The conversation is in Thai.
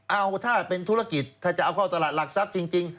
เอาถ้าเป็นธุรกิจถ้าจะเอาเข้าตลาดหลักทรัพย์จริง